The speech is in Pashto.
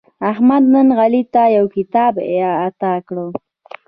احمد نن علي ته یو کتاب اعطا کړ.